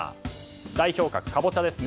代表格、カボチャですね。